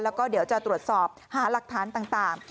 แล้วก็เดี๋ยวจะตรวจสอบหาหลักฐานต่าง